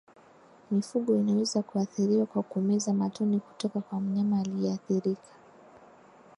Mifugo inaweza kuathiriwa kwa kumeza matone kutoka kwa mnyama aliyeathirika